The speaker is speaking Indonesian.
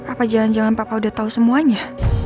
apa jangan jangan papa udah tau semuanya